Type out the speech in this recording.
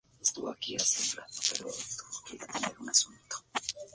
Juega de lateral izquierdo y su club actual esta sin equipo.